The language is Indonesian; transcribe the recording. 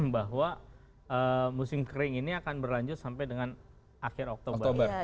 bahwa musim kering ini akan berlanjut sampai dengan akhir oktober